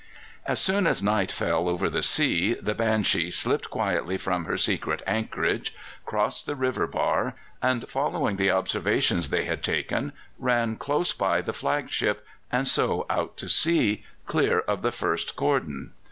As soon as night fell over the sea the Banshee slipped quietly from her secret anchorage, crossed the river bar, and following the observations they had taken, ran close by the flagship, and so out to sea, clear of the first cordon.